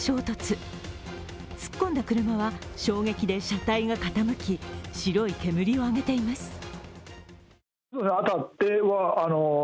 突っ込んだ車は衝撃で車体が傾き、白い煙を上げています。